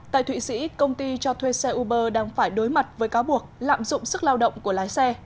tại thụy sĩ công ty cho thuê xe uber đang phải đối mặt với cáo buộc lạm dụng sức lao động của lái xe